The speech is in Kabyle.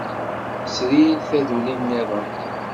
Sriɣ taduli niḍen.